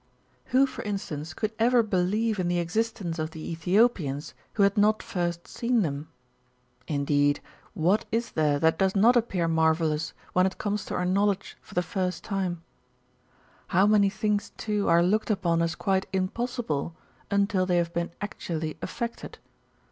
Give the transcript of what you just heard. "Who, for instance, could ever believe in the existence of the Ethiopians, who had not first seen them ? Indeed what is there that does not ap pear marvellous, when it comes to our knowledge for the first time :'^ How many things, too, are looked upon as quite im possible, until they have been actually efi'ected